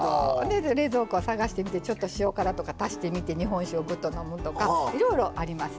冷蔵庫探してみてちょっと塩辛とか足してみて日本酒をぐっと飲むとかいろいろありますよ。